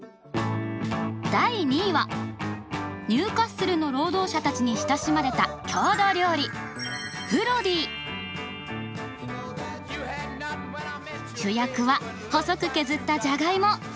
第２位はニューカッスルの労働者たちに親しまれた郷土料理主役は細く削ったじゃがいも。